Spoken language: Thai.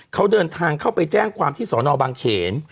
เขาเดินทางเข้าไปแจ้งความที่สอนอบางเขน